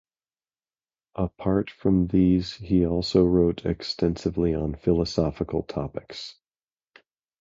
Apart from these he also wrote extensively on philosophical topics.